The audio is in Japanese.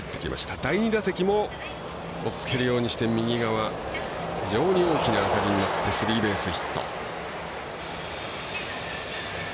第２打席もおっつけるようにして右側非常に大きな当たりになってスリーベースヒット。